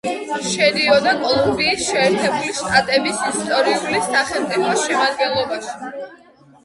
შედიოდა კოლუმბიის შეერთებული შტატების ისტორიული სახელწმიფოს შემადგენლობაში.